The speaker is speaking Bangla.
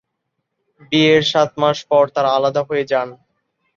বিয়ের সাত মাস পর তারা আলাদা হয়ে যান।